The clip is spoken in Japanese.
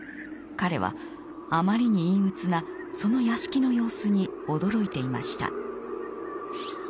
彼はあまりに陰鬱なその屋敷の様子に驚いていました。